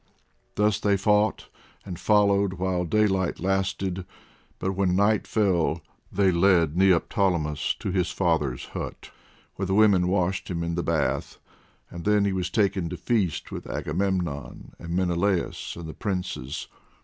Thus they fought and followed while daylight lasted, but when night fell, they led Neoptolemus to his father's hut, where the women washed him in the bath, and then he was taken to feast with Agamemnon and Menelaus and the princes.